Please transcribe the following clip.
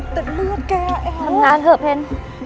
แต่เลือดแกทำงานเถอะเพน